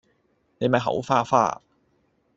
你咪口花花